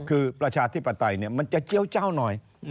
คือประชาธิปไตยมันจะเจี้ยวเจ้าหน่อย